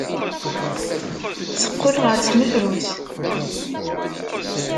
Teqqel ɣer tnefrut.